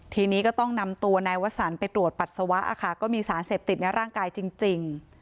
ทีนี้ก็ต้องนำตัวในวัศนไปตรวจปรัชวะอ่ะค่ะก็มีสารเสพติดในร่างกายจริงจริง